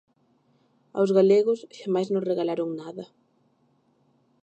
Aos galegos xamais nos regalaron nada.